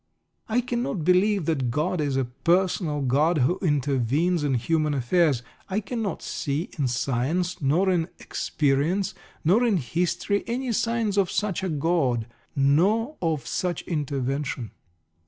I cannot believe that God is a personal God, who intervenes in human affairs. I cannot see in science, nor in experience, nor in history any signs of such a God, nor of such intervention.